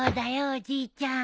おじいちゃん。